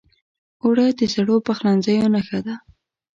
اوړه د زړو پخلنځیو نښه ده